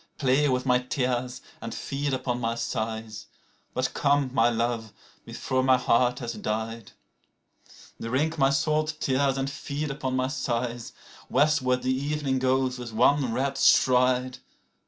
Play with my tears and feed upon my sighs, But come, my love, before my heart has died. PLAINTE ETERNELLE Drink my salt tears and feed upon my sighs. (Westward the evening goes with one red stride.)